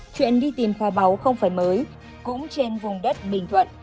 chuyện đi tìm kho báu không phải mới cũng trên vùng đất bình thuận